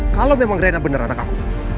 kalo memang rena bener anak aku